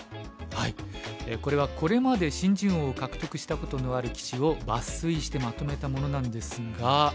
これはこれまで新人王を獲得したことのある棋士を抜粋してまとめたものなんですが。